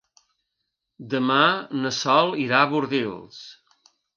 Demà na Sol irà a Bordils.